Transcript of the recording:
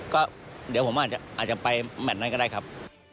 ก็เดี๋ยวผมอาจจะไปแมทนั้นก็ได้ครับ